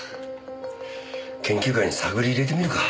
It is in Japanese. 研究会に探り入れてみるか。